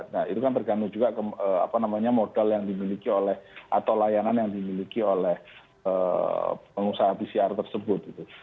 nah itu kan tergantung juga modal yang dimiliki oleh atau layanan yang dimiliki oleh pengusaha pcr tersebut gitu